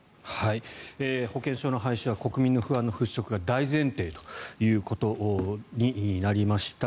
保険証の廃止は国民の不安の払しょくが大前提ということになりました。